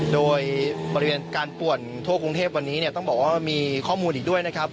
โดยบริเวณการป่วนทั่วกรุงเทพวันนี้เนี่ยต้องบอกว่ามีข้อมูลอีกด้วยนะครับ